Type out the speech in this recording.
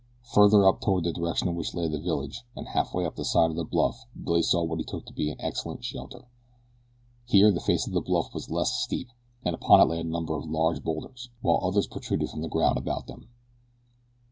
Farther up toward the direction in which lay the village, and halfway up the side of the bluff Billy saw what he took to be excellent shelter. Here the face of the bluff was less steep and upon it lay a number of large bowlders, while others protruded from the ground about them.